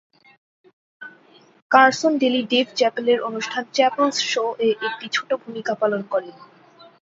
Carson Daly Dave চ্যাপেলের অনুষ্ঠান "Chappelle's শো"-এ একটি ছোট ভূমিকা পালন করেন।